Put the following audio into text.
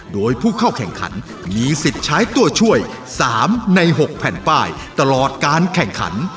โดยผู้เข้าแข่งขันมีสิทธิ์ใช้ตัวช่วย๓ใน๖แผ่นป้ายตลอดการแข่งขัน